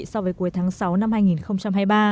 so với cuối tháng sáu năm hai nghìn hai mươi ba